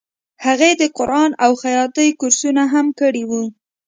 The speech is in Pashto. هغې د قرآن او خیاطۍ کورسونه هم کړي وو